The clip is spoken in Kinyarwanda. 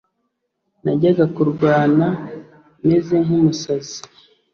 najyaga kurwana meze nk umusazi